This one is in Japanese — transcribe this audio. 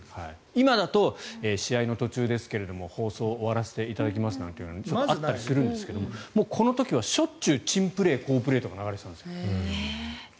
今だと試合の途中ですが放送を終わらせていただきますなんていうのがあったりするんですけどこの時はしょっちゅう珍プレー好プレーとかが流れていたんです。